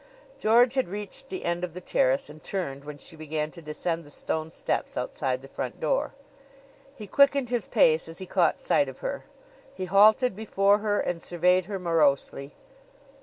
George had reached the end of the terrace and turned when she began to descend the stone steps outside the front door. He quickened his pace as he caught sight of her. He halted before her and surveyed her morosely.